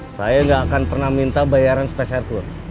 saya gak akan pernah minta bayaran spesial kurs